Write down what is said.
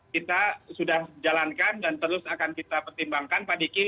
kita sudah jalankan dan terus akan kita pertimbangkan pak diki